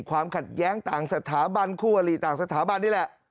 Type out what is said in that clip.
ความขัดแย้งต่างสถาบันคู่อลิต่างสถาบันนี่แหละ